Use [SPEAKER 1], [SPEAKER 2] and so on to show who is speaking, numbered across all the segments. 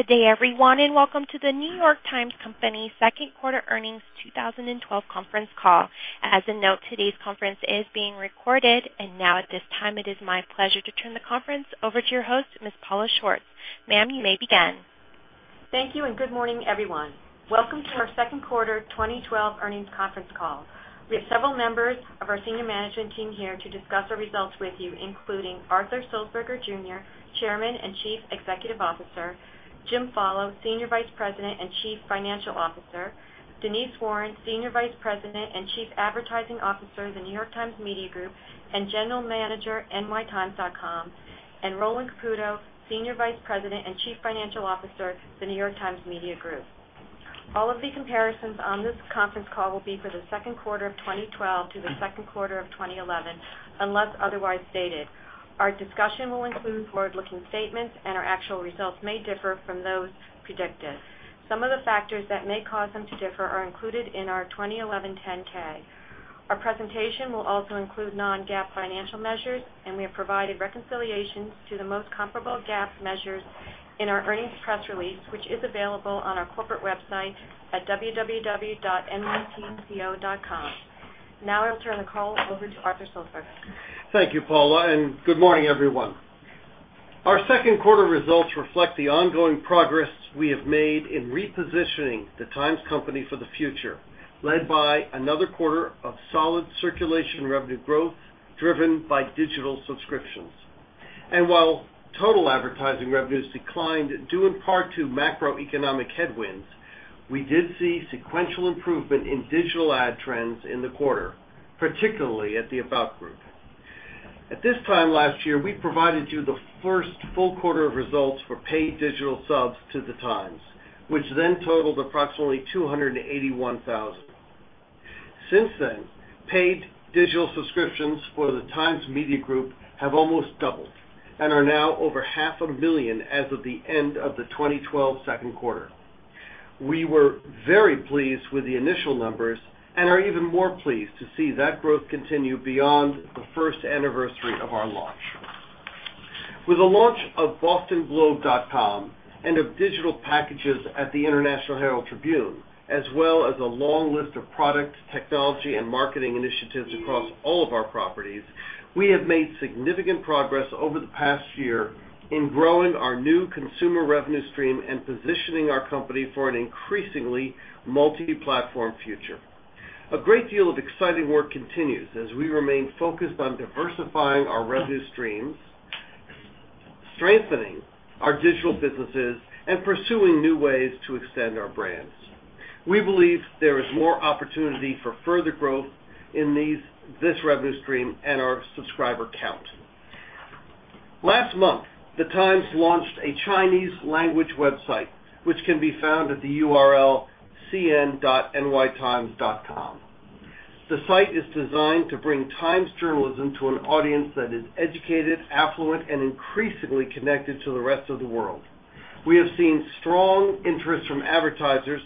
[SPEAKER 1] Good day, everyone, and welcome to The New York Times Company second quarter earnings 2012 conference call. As a note, today's conference is being recorded. Now at this time, it is my pleasure to turn the conference over to your host, Ms. Paula Schwartz. Ma'am, you may begin.
[SPEAKER 2] Thank you, and good morning, everyone. Welcome to our second quarter 2012 earnings conference call. We have several members of our senior management team here to discuss our results with you, including Arthur Sulzberger Jr., Chairman and Chief Executive Officer, Jim Follo, Senior Vice President and Chief Financial Officer, Denise Warren, Senior Vice President and Chief Advertising Officer of The New York Times Media Group, and General Manager, nytimes.com, and Roland Caputo, Senior Vice President and Chief Financial Officer of The New York Times Media Group. All of the comparisons on this conference call will be for the second quarter of 2012 to the second quarter of 2011, unless otherwise stated. Our discussion will include forward-looking statements, and our actual results may differ from those predicted. Some of the factors that may cause them to differ are included in our 2011 10-K. Our presentation will also include non-GAAP financial measures, and we have provided reconciliations to the most comparable GAAP measures in our earnings press release, which is available on our corporate website at www.nytco.com. Now I'll turn the call over to Arthur Sulzberger Jr.
[SPEAKER 3] Thank you, Paula, and good morning, everyone. Our second quarter results reflect the ongoing progress we have made in repositioning the Times Company for the future, led by another quarter of solid circulation revenue growth driven by digital subscriptions. While total advertising revenues declined due in part to macroeconomic headwinds, we did see sequential improvement in digital ad trends in the quarter, particularly at the About Group. At this time last year, we provided you the first full quarter of results for paid digital subs to the Times, which then totaled approximately 281,000. Since then, paid digital subscriptions for the Times Media Group have almost doubled and are now over half a million as of the end of the 2012 second quarter. We were very pleased with the initial numbers and are even more pleased to see that growth continue beyond the first anniversary of our launch. With the launch of bostonglobe.com and of digital packages at the International Herald Tribune, as well as a long list of product, technology, and marketing initiatives across all of our properties, we have made significant progress over the past year in growing our new consumer revenue stream and positioning our company for an increasingly multi-platform future. A great deal of exciting work continues as we remain focused on diversifying our revenue streams, strengthening our digital businesses, and pursuing new ways to extend our brands. We believe there is more opportunity for further growth in this revenue stream and our subscriber count. Last month, the Times launched a Chinese language website, which can be found at the URL cn.nytimes.com. The site is designed to bring Times journalism to an audience that is educated, affluent, and increasingly connected to the rest of the world. We have seen strong interest from advertisers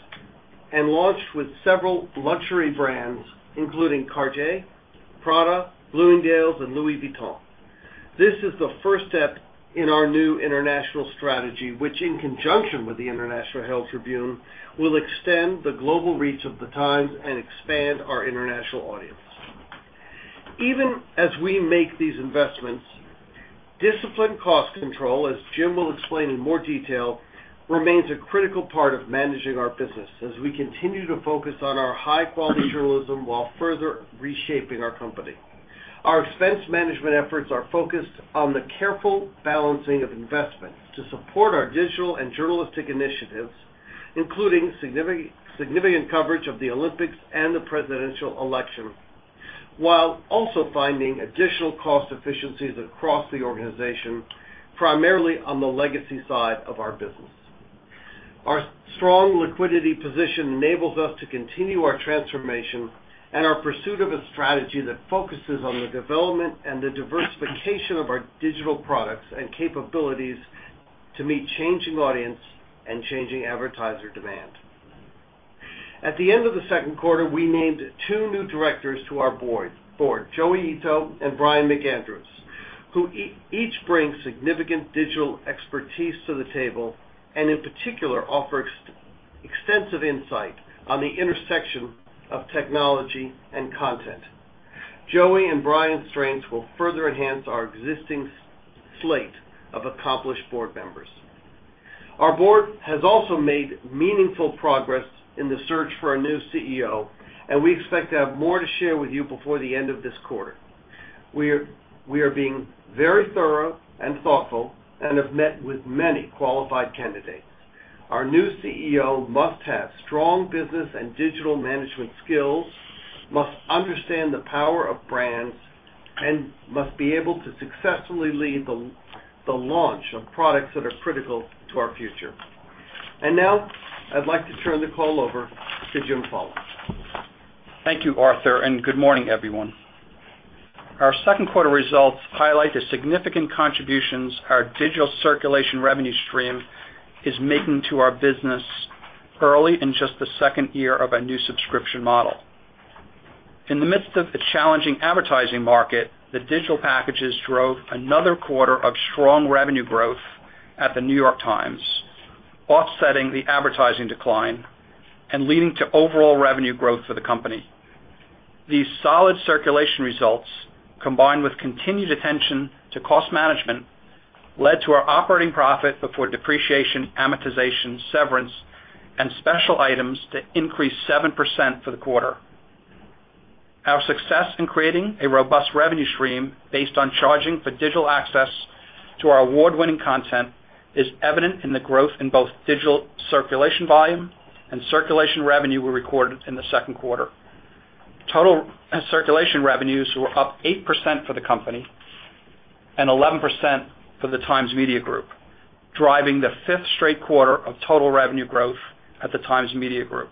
[SPEAKER 3] and launched with several luxury brands, including Cartier, Prada, Bloomingdale's, and Louis Vuitton. This is the first step in our new international strategy, which, in conjunction with the International Herald Tribune, will extend the global reach of the Times and expand our international audience. Even as we make these investments, disciplined cost control, as Jim will explain in more detail, remains a critical part of managing our business as we continue to focus on our high-quality journalism while further reshaping our company. Our expense management efforts are focused on the careful balancing of investment to support our digital and journalistic initiatives, including significant coverage of the Olympics and the presidential election, while also finding additional cost efficiencies across the organization, primarily on the legacy side of our business. Our strong liquidity position enables us to continue our transformation and our pursuit of a strategy that focuses on the development and the diversification of our digital products and capabilities to meet changing audience and changing advertiser demand. At the end of the second quarter, we named two new directors to our board, Joi Ito and Brian P. McAndrews, who each bring significant digital expertise to the table and, in particular, offer extensive insight on the intersection of technology and content. Joi and Brian's strengths will further enhance our existing slate of accomplished board members. Our board has also made meaningful progress in the search for a new CEO, and we expect to have more to share with you before the end of this quarter. We are being very thorough and thoughtful and have met with many qualified candidates. Our new CEO must have strong business and digital management skills, must understand the power of brands, and must be able to successfully lead the launch of products that are critical to our future. Now I'd like to turn the call over to Jim Follo.
[SPEAKER 4] Thank you, Arthur, and good morning, everyone. Our second quarter results highlight the significant contributions our digital circulation revenue stream is making to our business early in just the second year of our new subscription model. In the midst of a challenging advertising market, the digital packages drove another quarter of strong revenue growth at The New York Times, offsetting the advertising decline and leading to overall revenue growth for the company. These solid circulation results, combined with continued attention to cost management, led to our operating profit before depreciation, amortization, severance, and special items to increase 7% for the quarter. Our success in creating a robust revenue stream based on charging for digital access to our award-winning content is evident in the growth in both digital circulation volume and circulation revenue we recorded in the second quarter. Total circulation revenues were up 8% for the company and 11% for the Times Media Group, driving the fifth straight quarter of total revenue growth at the Times Media Group.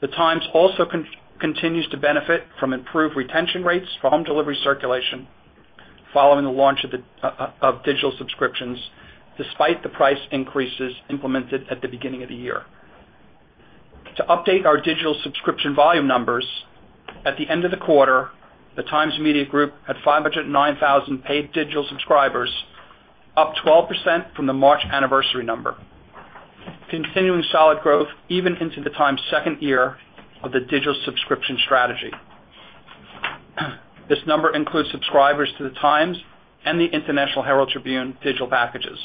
[SPEAKER 4] The New York Times also continues to benefit from improved retention rates for home delivery circulation following the launch of digital subscriptions, despite the price increases implemented at the beginning of the year. To update our digital subscription volume numbers, at the end of the quarter, the New York Times Media Group had 509,000 paid digital subscribers, up 12% from the March anniversary number, continuing solid growth even into the New York Times' second year of the digital subscription strategy. This number includes subscribers to the New York Times and the International Herald Tribune digital packages.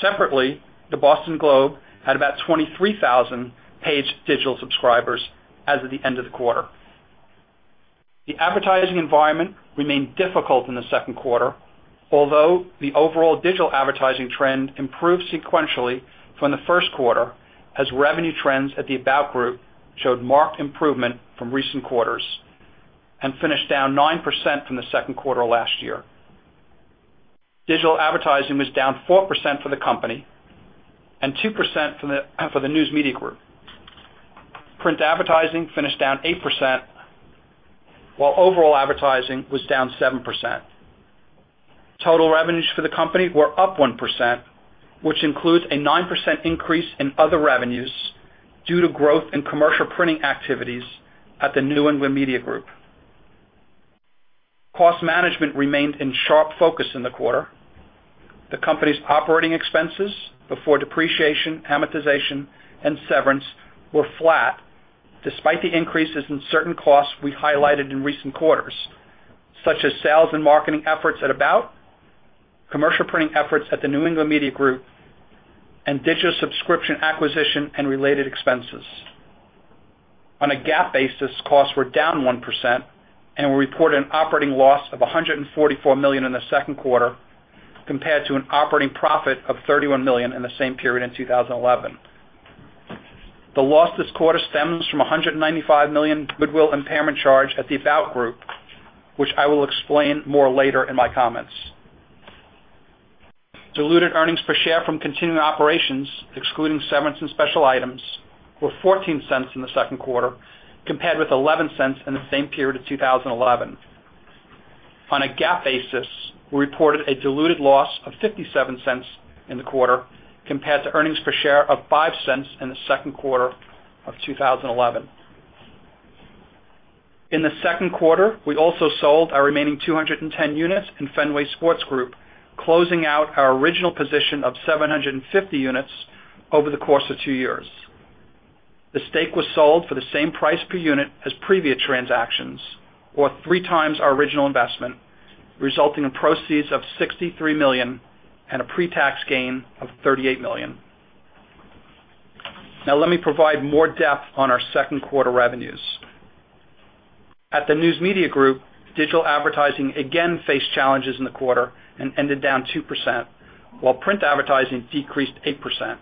[SPEAKER 4] Separately, The Boston Globe had about 23,000 paid digital subscribers as of the end of the quarter. The advertising environment remained difficult in the second quarter, although the overall digital advertising trend improved sequentially from the first quarter as revenue trends at The About Group showed marked improvement from recent quarters and finished down 9% from the second quarter last year. Digital advertising was down 4% for the company and 2% for the News Media Group. Print advertising finished down 8%, while overall advertising was down 7%. Total revenues for the company were up 1%, which includes a 9% increase in other revenues due to growth in commercial printing activities at the New England Media Group. Cost management remained in sharp focus in the quarter. The company's operating expenses before depreciation, amortization, and severance were flat despite the increases in certain costs we highlighted in recent quarters, such as sales and marketing efforts at About, commercial printing efforts at the New England Media Group, and digital subscription acquisition and related expenses. On a GAAP basis, costs were down 1%, and we reported an operating loss of $144 million in the second quarter compared to an operating profit of $31 million in the same period in 2011. The loss this quarter stems from a $195 million goodwill impairment charge at The About Group, which I will explain more later in my comments. Diluted earnings per share from continuing operations, excluding severance and special items, were $0.14 in the second quarter, compared with $0.11 in the same period of 2011. On a GAAP basis, we reported a diluted loss of $0.57 in the quarter, compared to earnings per share of $0.05 in the second quarter of 2011. In the second quarter, we also sold our remaining 210 units in Fenway Sports Group, closing out our original position of 750 units over the course of two years. The stake was sold for the same price per unit as previous transactions or three times our original investment, resulting in proceeds of $63 million and a pretax gain of $38 million. Now let me provide more depth on our second quarter revenues. At the News Media Group, digital advertising again faced challenges in the quarter and ended down 2%, while print advertising decreased 8%.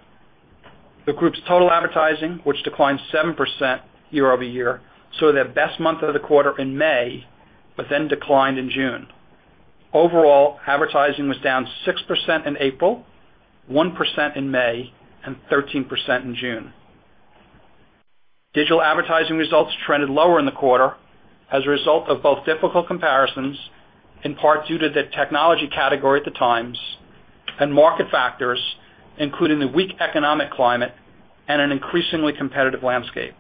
[SPEAKER 4] The group's total advertising, which declined 7% year-over-year, saw their best month of the quarter in May, but then declined in June. Overall, advertising was down 6% in April, 1% in May, and 13% in June. Digital advertising results trended lower in the quarter as a result of both difficult comparisons, in part due to the technology category at the "Times," and market factors, including the weak economic climate and an increasingly competitive landscape.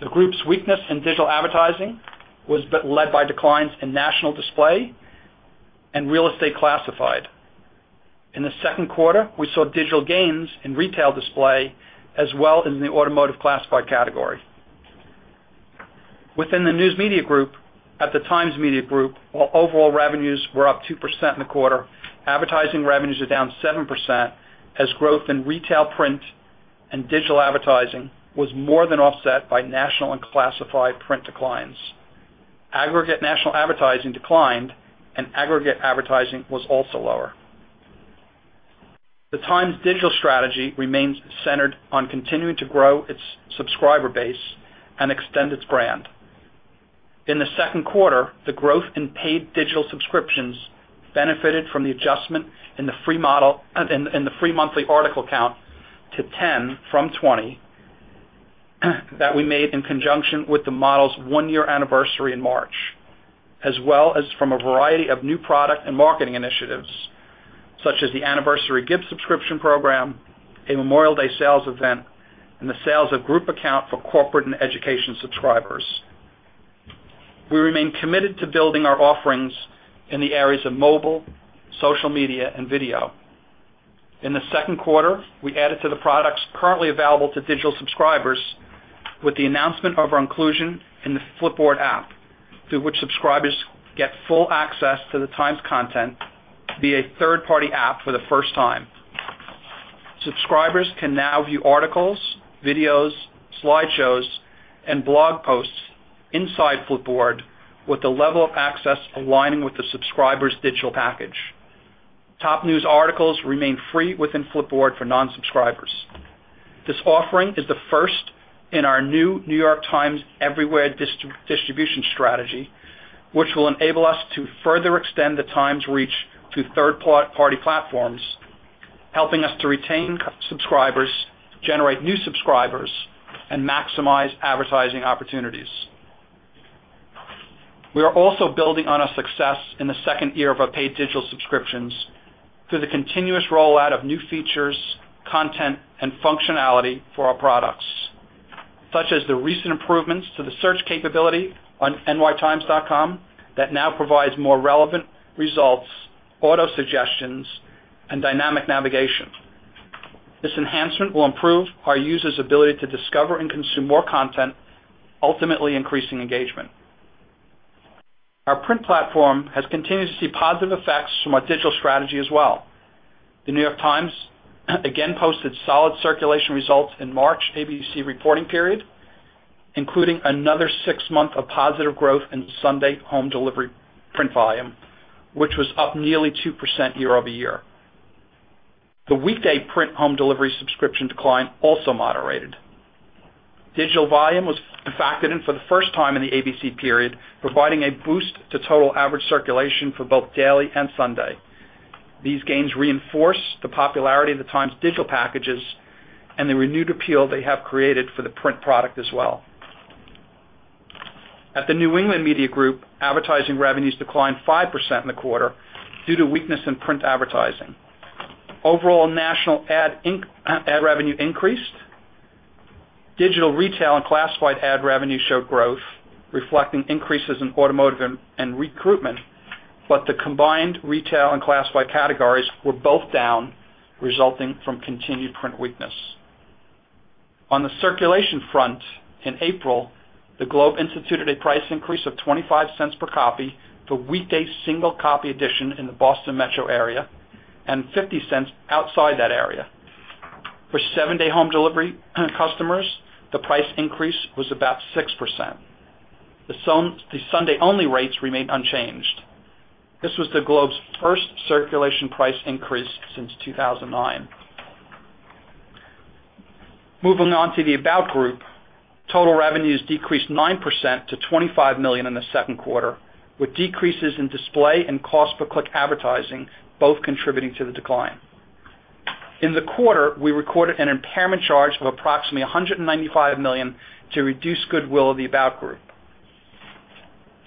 [SPEAKER 4] The group's weakness in digital advertising was led by declines in national display and real estate classified. In the second quarter, we saw digital gains in retail display as well in the automotive classified category. Within the News Media Group at the New York Times Media Group, while overall revenues were up 2% in the quarter, advertising revenues are down 7% as growth in retail print and digital advertising was more than offset by national and classified print declines. Aggregate national advertising declined, and aggregate advertising was also lower. The New York Times' digital strategy remains centered on continuing to grow its subscriber base and extend its brand. In the second quarter, the growth in paid digital subscriptions benefited from the adjustment in the free monthly article count to 10 from 20 that we made in conjunction with the model's one-year anniversary in March, as well as from a variety of new product and marketing initiatives such as the anniversary gift subscription program, a Memorial Day sales event, and the sales of group accounts for corporate and education subscribers. We remain committed to building our offerings in the areas of mobile, social media, and video. In the second quarter, we added to the products currently available to digital subscribers with the announcement of our inclusion in the Flipboard app, through which subscribers get full access to The Times content via a third-party app for the first time. Subscribers can now view articles, videos, slideshows, and blog posts inside Flipboard with the level of access aligning with the subscriber's digital package. Top news articles remain free within Flipboard for non-subscribers. This offering is the first in our new NYT Everywhere distribution strategy, which will enable us to further extend The Times' reach to third-party platforms, helping us to retain subscribers, generate new subscribers, and maximize advertising opportunities. We are also building on a success in the second year of our paid digital subscriptions through the continuous rollout of new features, content, and functionality for our products, such as the recent improvements to the search capability on nytimes.com that now provides more relevant results, auto suggestions, and dynamic navigation. This enhancement will improve our users' ability to discover and consume more content, ultimately increasing engagement. Our print platform has continued to see positive effects from our digital strategy as well. The New York Times again posted solid circulation results in March ABC reporting period, including another six months of positive growth in Sunday home delivery print volume, which was up nearly 2% year-over-year. The weekday print home delivery subscription decline also moderated. Digital volume was factored in for the first time in the ABC period, providing a boost to total average circulation for both daily and Sunday. These gains reinforce the popularity of The Times' digital packages and the renewed appeal they have created for the print product as well. At the New England Media Group, advertising revenues declined 5% in the quarter due to weakness in print advertising. Overall national ad revenue increased. Digital retail and classified ad revenue showed growth, reflecting increases in automotive and recruitment, but the combined retail and classified categories were both down, resulting from continued print weakness. On the circulation front, in April, The Globe instituted a price increase of $0.25 per copy for weekday single copy edition in the Boston Metro area and $0.50 outside that area. For seven-day home delivery customers, the price increase was about 6%. The Sunday-only rates remained unchanged. This was The Globe's first circulation price increase since 2009. Moving on to the About Group. Total revenues decreased 9% to $25 million in the second quarter, with decreases in display and cost per click advertising both contributing to the decline. In the quarter, we recorded an impairment charge of approximately $195 million to reduce goodwill of the About Group.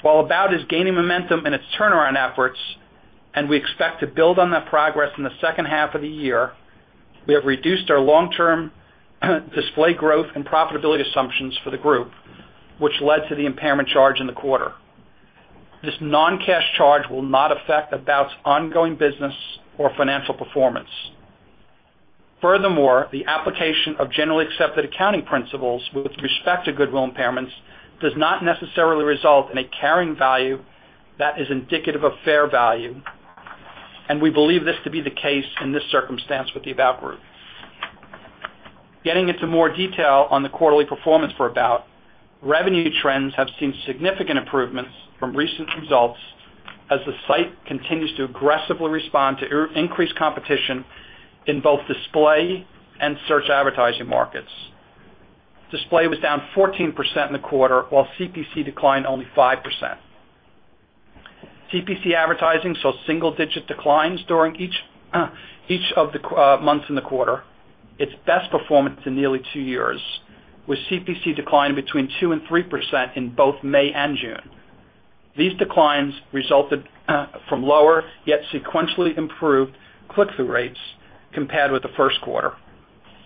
[SPEAKER 4] While About is gaining momentum in its turnaround efforts, and we expect to build on that progress in the second half of the year, we have reduced our long-term display growth and profitability assumptions for the group, which led to the impairment charge in the quarter. This non-cash charge will not affect About's ongoing business or financial performance. Furthermore, the application of generally accepted accounting principles with respect to goodwill impairments does not necessarily result in a carrying value that is indicative of fair value, and we believe this to be the case in this circumstance with the About Group. Getting into more detail on the quarterly performance for About. Revenue trends have seen significant improvements from recent results as the site continues to aggressively respond to increased competition in both display and search advertising markets. Display was down 14% in the quarter, while CPC declined only 5%. CPC advertising saw single digit declines during each of the months in the quarter, its best performance in nearly two years, with CPC declining between 2% and 3% in both May and June. These declines resulted from lower, yet sequentially improved click-through rates compared with the first quarter.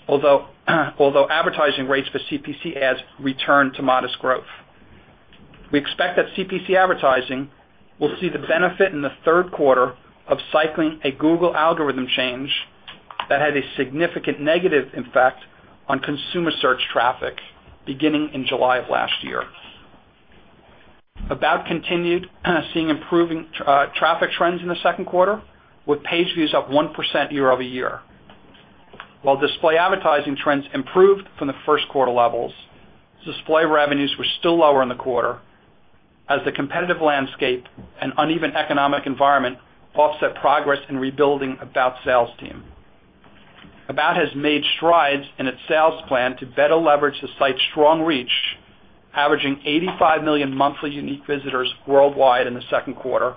[SPEAKER 4] Although advertising rates for CPC ads returned to modest growth. We expect that CPC advertising will see the benefit in the third quarter of cycling a Google algorithm change that had a significant negative impact on consumer search traffic beginning in July of last year. About continued seeing improving traffic trends in the second quarter, with page views up 1% year-over-year. While display advertising trends improved from the first quarter levels, display revenues were still lower in the quarter as the competitive landscape and uneven economic environment offset progress in rebuilding About sales team. About Group has made strides in its sales plan to better leverage the site's strong reach, averaging 85 million monthly unique visitors worldwide in the second quarter,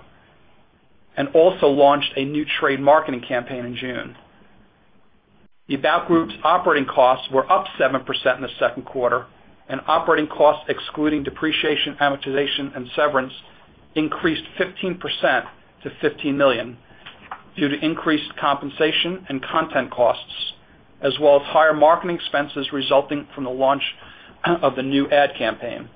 [SPEAKER 4] and also launched a new trade marketing campaign in June. The About Group's operating costs were up 7% in the second quarter, and operating costs, excluding depreciation, amortization, and severance, increased 15% to $15 million due to increased compensation and content costs, as well as higher marketing expenses resulting from the launch of the new ad campaign.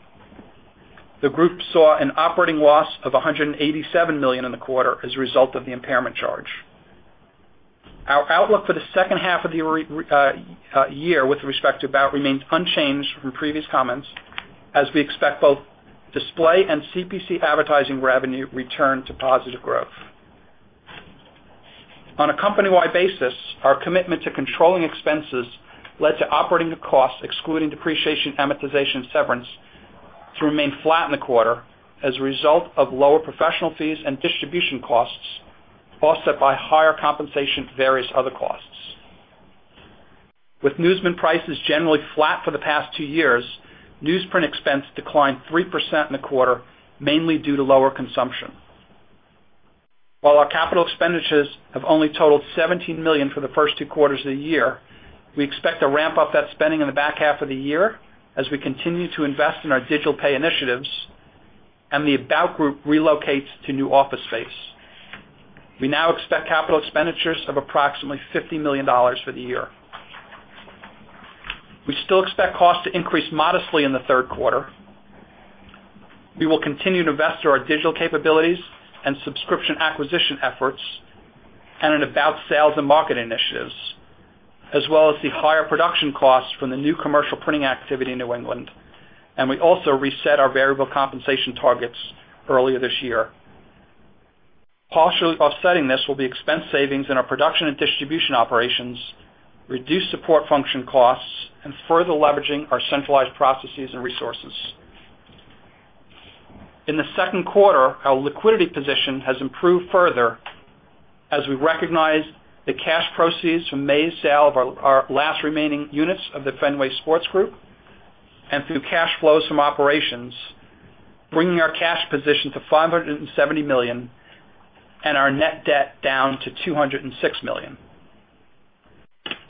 [SPEAKER 4] The group saw an operating loss of $187 million in the quarter as a result of the impairment charge. Our outlook for the second half of the year with respect to The About Group remains unchanged from previous comments, as we expect both display and CPC advertising revenue to return to positive growth. On a company-wide basis, our commitment to controlling expenses led to operating costs, excluding depreciation, amortization, and severance, to remain flat in the quarter as a result of lower professional fees and distribution costs, offset by higher compensation for various other costs. With newsprint prices generally flat for the past two years, newsprint expense declined 3% in the quarter, mainly due to lower consumption. While our capital expenditures have only totaled $17 million for the first two quarters of the year, we expect to ramp up that spending in the back half of the year as we continue to invest in our digital pay initiatives and the About Group relocates to new office space. We now expect capital expenditures of approximately $50 million for the year. We still expect costs to increase modestly in the third quarter. We will continue to invest through our digital capabilities and subscription acquisition efforts and in About sales and market initiatives, as well as the higher production costs from the new commercial printing activity in New England. We also reset our variable compensation targets earlier this year. Partially offsetting this will be expense savings in our production and distribution operations, reduced support function costs, and further leveraging our centralized processes and resources. In the second quarter, our liquidity position has improved further as we recognize the cash proceeds from May's sale of our last remaining units of the Fenway Sports Group and through cash flows from operations, bringing our cash position to $570 million and our net debt down to $206 million.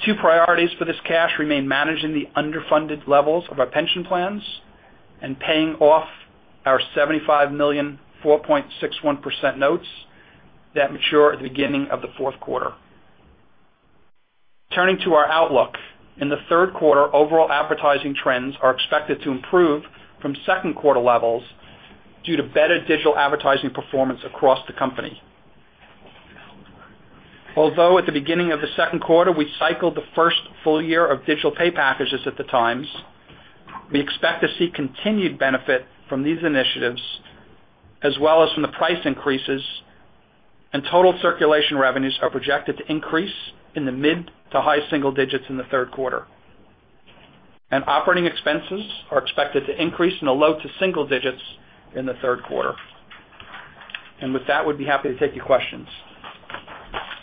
[SPEAKER 4] Two priorities for this cash remain managing the underfunded levels of our pension plans and paying off our $75 million 4.61% notes that mature at the beginning of the fourth quarter. Turning to our outlook. In the third quarter, overall advertising trends are expected to improve from second quarter levels due to better digital advertising performance across the company. Although at the beginning of the second quarter, we cycled the first full year of digital pay packages at the Times, we expect to see continued benefit from these initiatives as well as from the price increases, and total circulation revenues are projected to increase in the mid- to high-single digits in the third quarter. Operating expenses are expected to increase in the low- to single digits in the third quarter. With that, we'd be happy to take your questions.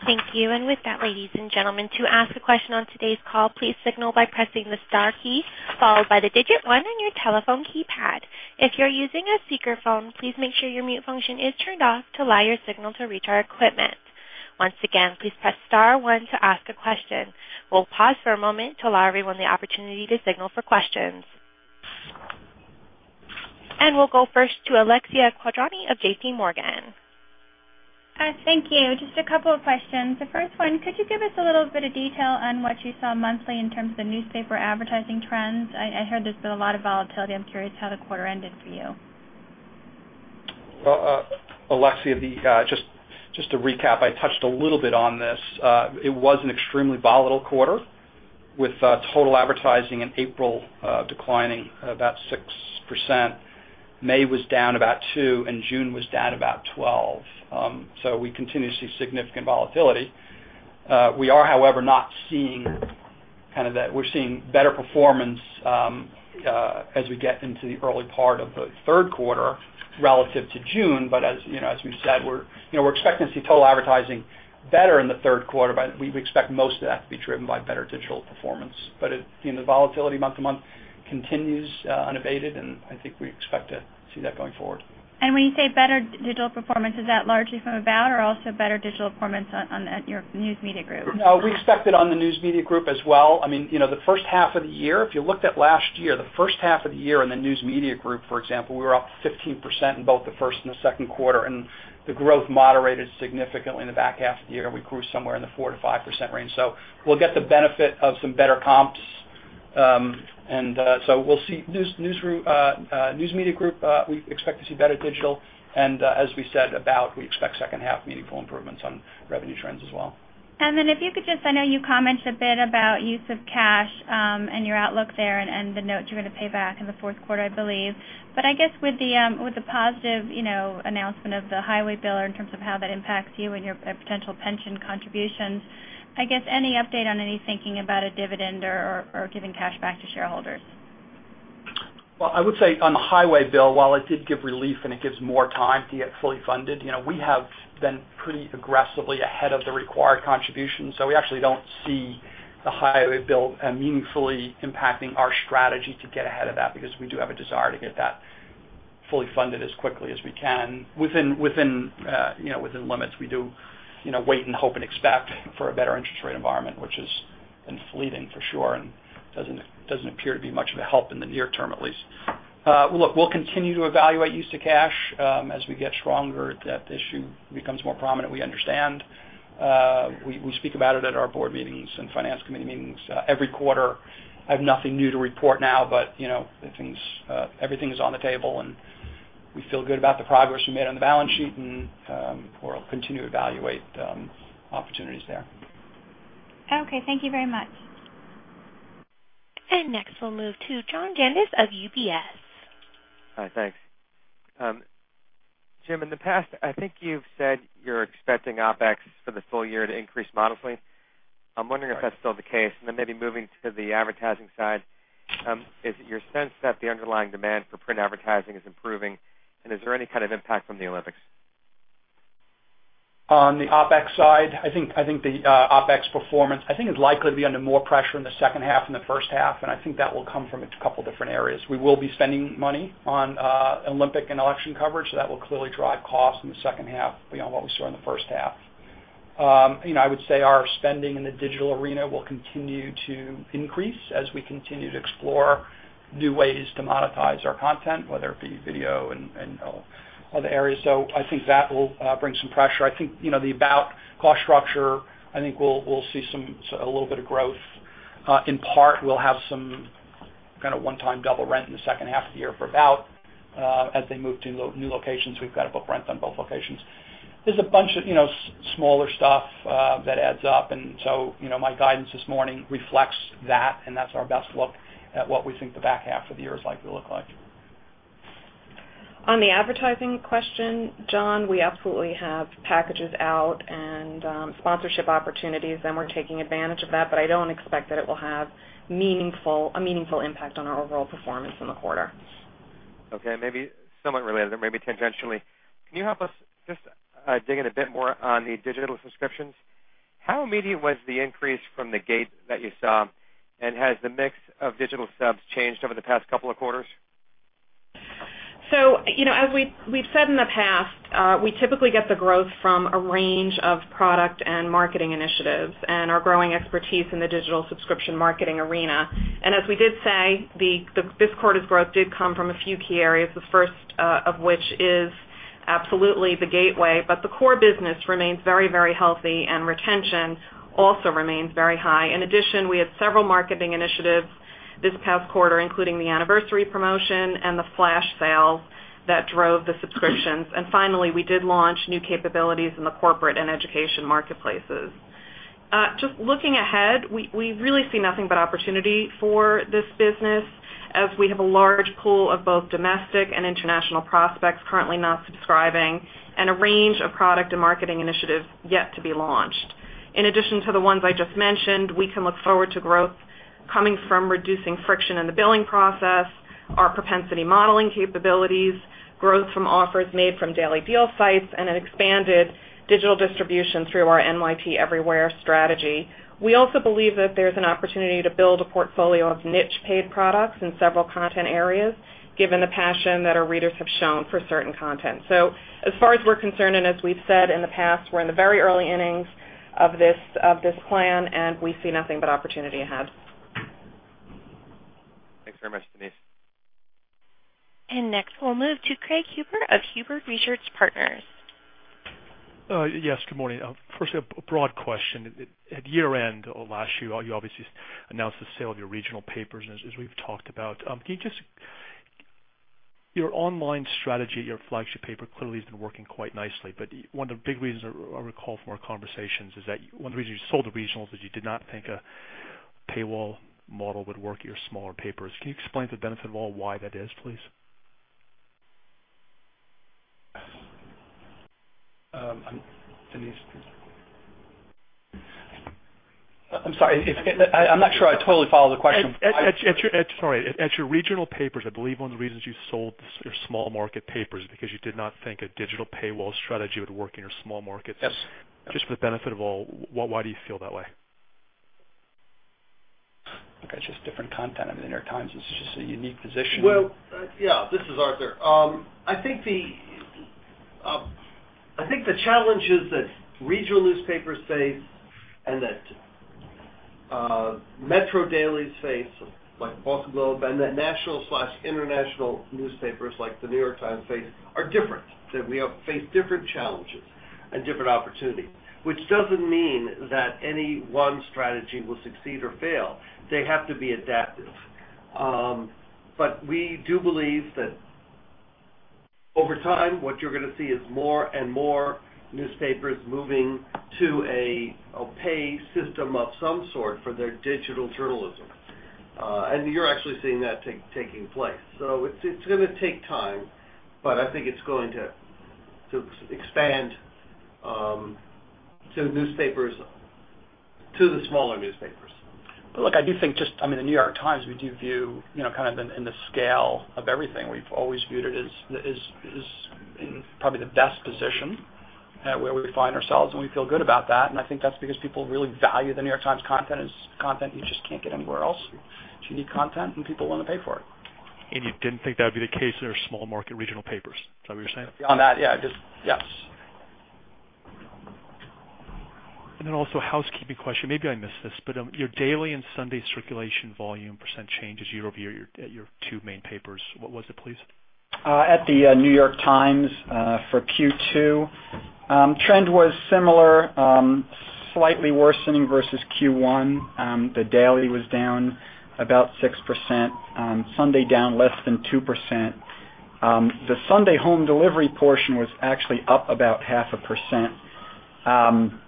[SPEAKER 1] Thank you. With that, ladies and gentlemen, to ask a question on today's call, please signal by pressing the star key followed by the digit one on your telephone keypad. If you're using a speakerphone, please make sure your mute function is turned off to allow your signal to reach our equipment. Once again, please press star one to ask a question. We'll pause for a moment to allow everyone the opportunity to signal for questions. We'll go first to Alexia Quadrani of JPMorgan.
[SPEAKER 5] Thank you. Just a couple of questions. The first one, could you give us a little bit of detail on what you saw monthly in terms of the newspaper advertising trends? I heard there's been a lot of volatility. I'm curious how the quarter ended for you.
[SPEAKER 4] Well, Alexia, just to recap, I touched a little bit on this. It was an extremely volatile quarter with total advertising in April declining about 6%. May was down about 2%, and June was down about 12%. We continue to see significant volatility. We're seeing better performance as we get into the early part of the third quarter relative to June. As we've said, we're expecting to see total advertising better in the third quarter, but we expect most of that to be driven by better digital performance. The volatility month to month continues unabated, and I think we expect to see that going forward.
[SPEAKER 5] When you say better digital performance, is that largely from About or also better digital performance at your News Media Group?
[SPEAKER 4] No, we expect it on the News Media Group as well. The first half of the year, if you looked at last year, the first half of the year in the News Media Group, for example, we were up 15% in both the first and the second quarter, and the growth moderated significantly in the back half of the year. We grew somewhere in the 4%-5% range. We'll get the benefit of some better comps. News Media Group, we expect to see better digital. As we said, About, we expect second half meaningful improvements on revenue trends as well.
[SPEAKER 5] I know you commented a bit about use of cash and your outlook there and the notes you're going to pay back in the fourth quarter, I believe. I guess with the positive announcement of the highway bill in terms of how that impacts you and your potential pension contributions, I guess any update on any thinking about a dividend or giving cash back to shareholders?
[SPEAKER 4] Well, I would say on the highway bill, while it did give relief and it gives more time to get fully funded, we have been pretty aggressively ahead of the required contribution. We actually don't see the highway bill meaningfully impacting our strategy to get ahead of that because we do have a desire to get that fully funded as quickly as we can within limits. We do wait and hope and expect for a better interest rate environment, which has been fleeting for sure and doesn't appear to be much of a help in the near term at least. Look, we'll continue to evaluate use of cash. As we get stronger, that issue becomes more prominent, we understand. We speak about it at our board meetings and finance committee meetings every quarter. I have nothing new to report now, but everything's on the table, and we feel good about the progress we made on the balance sheet, and we'll continue to evaluate opportunities there.
[SPEAKER 5] Okay, thank you very much.
[SPEAKER 1] Next, we'll move to John Janedis of UBS.
[SPEAKER 6] Hi, thanks. Jim, in the past, I think you've said you're expecting OpEx for the full year to increase modestly. I'm wondering if that's still the case, and then maybe moving to the advertising side. Is it your sense that the underlying demand for print advertising is improving? Is there any kind of impact from the Olympics?
[SPEAKER 4] On the OpEx side, I think the OpEx performance is likely to be under more pressure in the second half and the first half, and I think that will come from a couple different areas. We will be spending money on Olympic and election coverage. That will clearly drive costs in the second half beyond what we saw in the first half. I would say our spending in the digital arena will continue to increase as we continue to explore new ways to monetize our content, whether it be video and other areas. I think that will bring some pressure. I think the About cost structure we'll see a little bit of growth. In part, we'll have some kind of one-time double rent in the second half of the year for About as they move to new locations. We've got a book rent on both locations. There's a bunch of smaller stuff that adds up, and so my guidance this morning reflects that, and that's our best look at what we think the back half of the year is likely to look like.
[SPEAKER 7] On the advertising question, John, we absolutely have packages out and sponsorship opportunities, and we're taking advantage of that, but I don't expect that it will have a meaningful impact on our overall performance in the quarter.
[SPEAKER 6] Okay, maybe somewhat related or maybe tangentially. Can you help us just dig in a bit more on the digital subscriptions? How immediate was the increase from the get-go that you saw, and has the mix of digital subs changed over the past couple of quarters?
[SPEAKER 7] As we've said in the past, we typically get the growth from a range of product and marketing initiatives and our growing expertise in the digital subscription marketing arena. As we did say, this quarter's growth did come from a few key areas, the first of which is absolutely the gateway. The core business remains very healthy, and retention also remains very high. In addition, we had several marketing initiatives this past quarter, including the anniversary promotion and the flash sale that drove the subscriptions. Finally, we did launch new capabilities in the corporate and education marketplaces. Just looking ahead, we really see nothing but opportunity for this business as we have a large pool of both domestic and international prospects currently not subscribing and a range of product and marketing initiatives yet to be launched. In addition to the ones I just mentioned, we can look forward to growth coming from reducing friction in the billing process, our propensity modeling capabilities, growth from offers made from daily deal sites, and an expanded digital distribution through our NYT Everywhere strategy. We also believe that there's an opportunity to build a portfolio of niche paid products in several content areas, given the passion that our readers have shown for certain content. As far as we're concerned, and as we've said in the past, we're in the very early innings of this plan, and we see nothing but opportunity ahead.
[SPEAKER 6] Thanks very much, Denise.
[SPEAKER 1] Next, we'll move to Craig Huber of Huber Research Partners.
[SPEAKER 8] Yes, good morning. First, a broad question. At year-end of last year, you obviously announced the sale of your regional papers, as we've talked about. Your online strategy at your flagship paper clearly has been working quite nicely, but one of the big reasons I recall from our conversations is that one of the reasons you sold the regionals is you did not think a paywall model would work at your smaller papers. Can you explain to the benefit of all why that is, please?
[SPEAKER 4] Denise, please. I'm sorry. I'm not sure I totally follow the question.
[SPEAKER 8] Sorry. At your regional papers, I believe one of the reasons you sold your small market papers is because you did not think a digital paywall strategy would work in your small markets.
[SPEAKER 4] Yes.
[SPEAKER 8] Just for the benefit of all, why do you feel that way?
[SPEAKER 4] Okay. Just different content. I mean, The New York Times is just a unique position.
[SPEAKER 3] Well, yeah. This is Arthur. I think the challenges that regional newspapers face and that metro dailies face, like The Boston Globe, and that national/international newspapers like The New York Times face, are different. We face different challenges and different opportunities, which doesn't mean that any one strategy will succeed or fail. They have to be adaptive. We do believe that over time, what you're going to see is more and more newspapers moving to a pay system of some sort for their digital journalism. And you're actually seeing that taking place. It's going to take time, but I think it's going to expand to the smaller newspapers.
[SPEAKER 4] Look, I do think just, The New York Times, we do view kind of in the scale of everything, we've always viewed it as In probably the best position where we find ourselves, and we feel good about that. I think that's because people really value The New York Times content as content you just can't get anywhere else. It's unique content, and people want to pay for it.
[SPEAKER 8] You didn't think that would be the case in our small market regional papers? Is that what you're saying?
[SPEAKER 7] On that, yeah.
[SPEAKER 8] Also a housekeeping question. Maybe I missed this, but your daily and Sunday circulation volume % change is year-over-year at your two main papers. What was it, please?
[SPEAKER 4] At The New York Times for Q2, trend was similar, slightly worsening versus Q1. The daily was down about 6%, Sunday down less than 2%. The Sunday home delivery portion was actually up about 0.5%.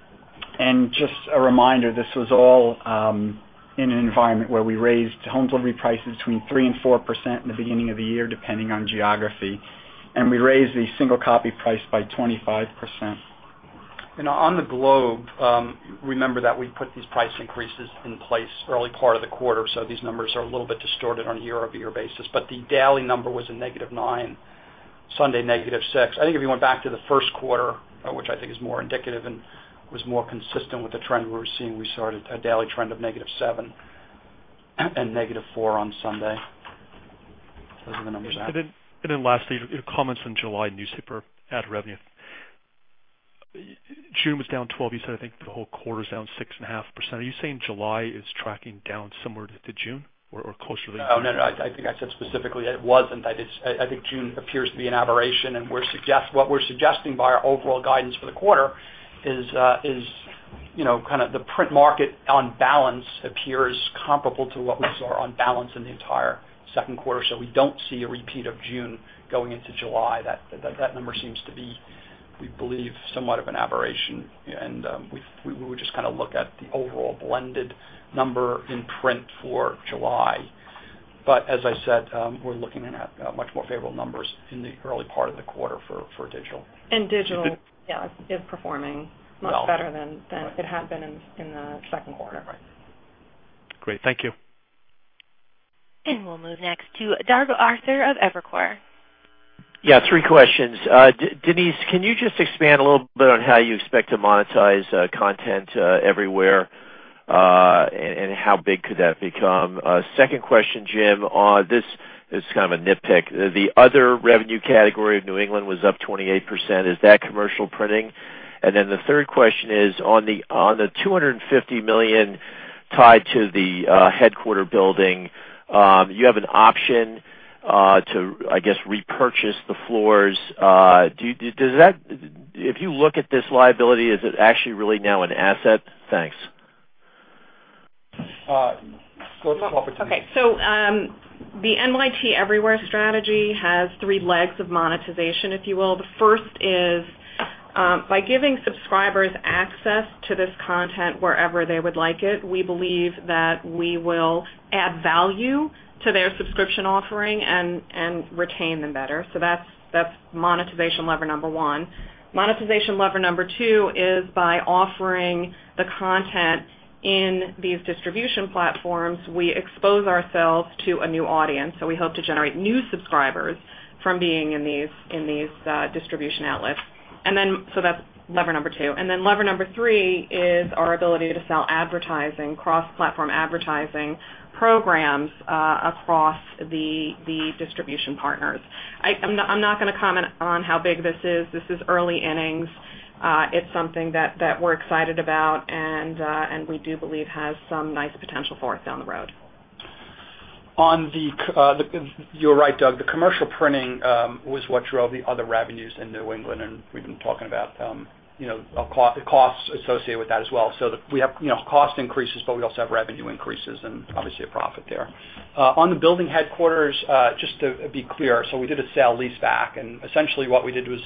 [SPEAKER 4] Just a reminder, this was all in an environment where we raised home delivery prices between 3%-4% in the beginning of the year, depending on geography. We raised the single copy price by 25%. On the Globe, remember that we put these price increases in place early part of the quarter, so these numbers are a little bit distorted on a year-over-year basis. The daily number was -9%, Sunday -6%. I think if you went back to the first quarter, which I think is more indicative and was more consistent with the trend we were seeing, we saw a daily trend of -7% and -4% on Sunday. Those are the numbers there.
[SPEAKER 8] Lastly, comments on July newspaper ad revenue. June was down 12%. You said, I think, the whole quarter is down 6.5%. Are you saying July is tracking down similar to June or closer than June?
[SPEAKER 4] No, I think I said specifically that it wasn't. I think June appears to be an aberration, and what we're suggesting by our overall guidance for the quarter is the print market on balance appears comparable to what we saw on balance in the entire second quarter. We don't see a repeat of June going into July. That number seems to be, we believe, somewhat of an aberration, and we would just look at the overall blended number in print for July. As I said, we're looking at much more favorable numbers in the early part of the quarter for digital.
[SPEAKER 7] Digital is performing much better than it had been in the second quarter.
[SPEAKER 4] Right.
[SPEAKER 8] Great. Thank you.
[SPEAKER 1] We'll move next to Douglas Arthur of Evercore.
[SPEAKER 9] Yeah. Three questions. Denise, can you just expand a little bit on how you expect to monetize NYT Everywhere, and how big could that become? Second question, Jim, this is kind of a nitpick. The other revenue category of New England was up 28%. Is that commercial printing? And then the third question is on the $250 million tied to the headquarters building, you have an option to, I guess, repurchase the floors. If you look at this liability, is it actually really now an asset? Thanks.
[SPEAKER 4] We'll start with Denise.
[SPEAKER 7] Okay. The NYT Everywhere strategy has three legs of monetization, if you will. The first is by giving subscribers access to this content wherever they would like it, we believe that we will add value to their subscription offering and retain them better. That's monetization lever number one. Monetization lever number two is by offering the content in these distribution platforms, we expose ourselves to a new audience. We hope to generate new subscribers from being in these distribution outlets. That's lever number two. Lever number three is our ability to sell advertising, cross-platform advertising programs, across the distribution partners. I'm not going to comment on how big this is. This is early innings. It's something that we're excited about and we do believe has some nice potential for us down the road.
[SPEAKER 4] You're right, Doug. The commercial printing was what drove the other revenues in New England, and we've been talking about the costs associated with that as well. We have cost increases, but we also have revenue increases and obviously a profit there. On the building headquarters, just to be clear, we did a sale-leaseback, and essentially what we did was,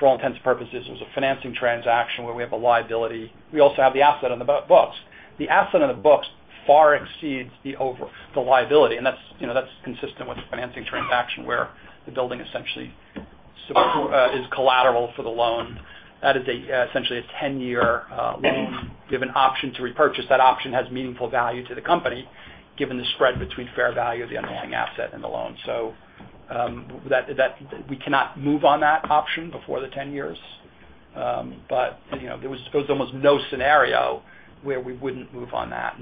[SPEAKER 4] for all intents and purposes, it was a financing transaction where we have a liability. We also have the asset on the books. The asset on the books far exceeds the liability, and that's consistent with the financing transaction where the building essentially is collateral for the loan. That is essentially a 10-year loan. We have an option to repurchase. That option has meaningful value to the company, given the spread between fair value of the underlying asset and the loan. We cannot move on that option before the 10 years. There was almost no scenario where we wouldn't move on that.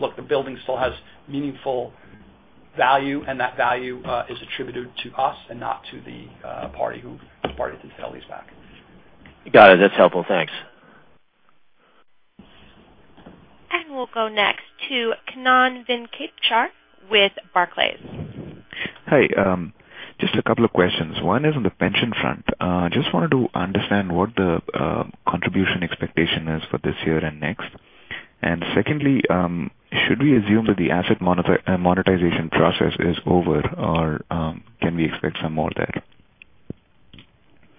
[SPEAKER 4] Look, the building still has meaningful value, and that value is attributed to us and not to the party who bought it through sale-leaseback.
[SPEAKER 9] Got it. That's helpful. Thanks.
[SPEAKER 1] We'll go next to Kannan Venkateshwar with Barclays.
[SPEAKER 10] Hi. Just a couple of questions. One is on the pension front. Just wanted to understand what the contribution expectation is for this year and next. Secondly, should we assume that the asset monetization process is over, or can we expect some more there?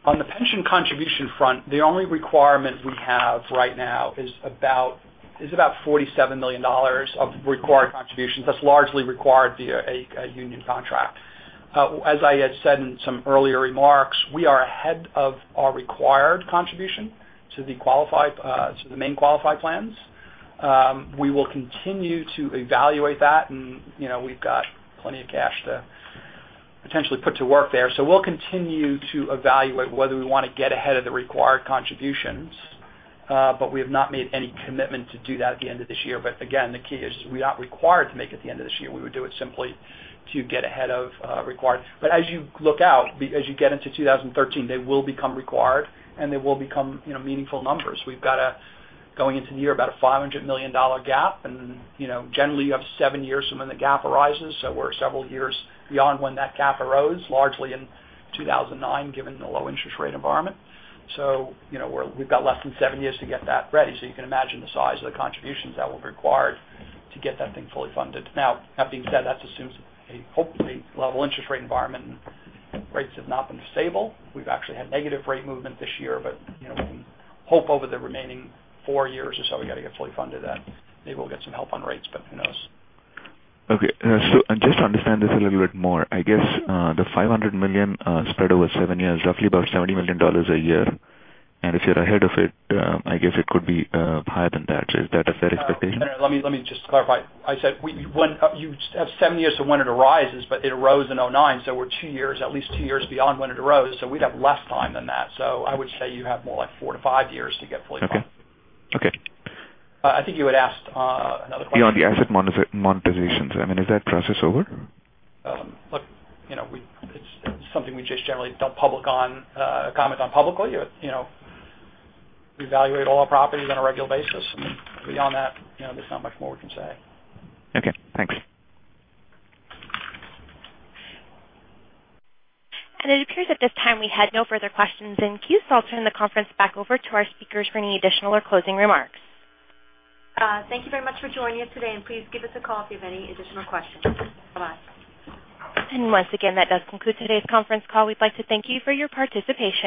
[SPEAKER 4] On the pension contribution front, the only requirement we have right now is about $47 million of required contributions. That's largely required via a union contract. As I had said in some earlier remarks, we are ahead of our required contribution to the main qualified plans. We will continue to evaluate that, and we've got plenty of cash to potentially put to work there. We'll continue to evaluate whether we want to get ahead of the required contributions, but we have not made any commitment to do that at the end of this year. Again, the key is we're not required to make it at the end of this year. We would do it simply to get ahead of required. As you look out, as you get into 2013, they will become required, and they will become meaningful numbers. We've got, going into the year, about a $500 million gap, and generally, you have seven years from when the gap arises. We're several years beyond when that gap arose, largely in 2009, given the low interest rate environment. We've got less than seven years to get that ready. You can imagine the size of the contributions that will be required to get that thing fully funded. Now, that being said, that assumes a hopefully level interest rate environment, and rates have not been stable. We've actually had negative rate movement this year, but we hope over the remaining four years or so, we got to get fully funded then. Maybe we'll get some help on rates, but who knows?
[SPEAKER 10] Okay. Just to understand this a little bit more, I guess, the $500 million spread over seven years, roughly about $70 million a year. If you're ahead of it, I guess it could be higher than that. Is that a fair expectation?
[SPEAKER 4] Let me just clarify. I said, you have seven years from when it arises, but it arose in 2009, so we're at least two years beyond when it arose, so we'd have less time than that. I would say you have more like four to five years to get fully funded.
[SPEAKER 10] Okay.
[SPEAKER 4] I think you had asked another question.
[SPEAKER 10] Yeah, on the asset monetizations. Is that process over?
[SPEAKER 4] Look, it's something we just generally don't comment on publicly. We evaluate all our properties on a regular basis, and beyond that, there's not much more we can say.
[SPEAKER 10] Okay, thanks.
[SPEAKER 1] It appears at this time we had no further questions in queue, so I'll turn the conference back over to our speakers for any additional or closing remarks.
[SPEAKER 2] Thank you very much for joining us today, and please give us a call if you have any additional questions. Bye-bye.
[SPEAKER 1] Once again, that does conclude today's conference call. We'd like to thank you for your participation.